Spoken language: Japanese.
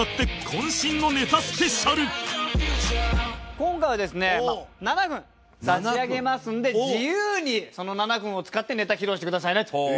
今回はですね７分差し上げますんで自由にその７分を使ってネタ披露してくださいねと。